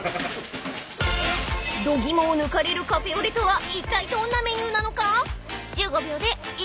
［度肝を抜かれるカフェオレとはいったいどんなメニューなのか１５秒で］